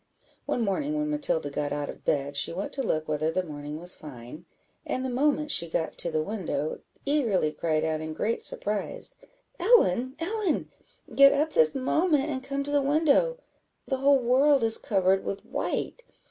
One morning, when Matilda got out of bed, she went to look whether the morning was fine, and the moment she got to the window, eagerly cried out, in great surprise "Ellen, Ellen! get up this moment, and come to the window; the whole world is covered with white!